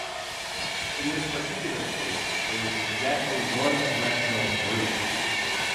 In this particular case there is exactly one rational root.